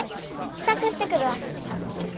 支度してくるわ。